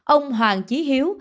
ông hoàng chí hiếu